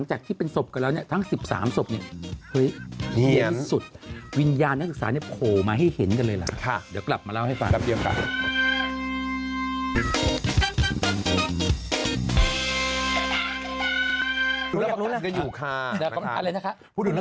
โอ้วฉันได้กรรดิการสังคมด้วยเท่ามีเหมือนกันอ๋อมีครับแม่มันต้องมีระบวกัญแล้วก็ไปหาสามินรวยแม่